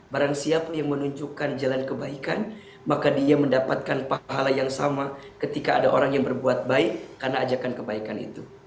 barang siapa yang menunjukkan jalan kebaikan maka dia mendapatkan pahala yang sama ketika ada orang yang berbuat baik karena ajakan kebaikan itu